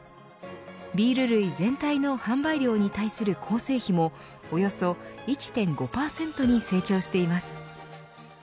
ビール類全体の販売量に対する構成比もおよそ１．５％に成長しています。